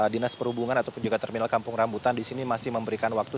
dinas perhubungan ataupun juga terminal kampung rambutan di sini masih memberikan waktu